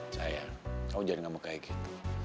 sayang kamu jangan ngambek kayak gitu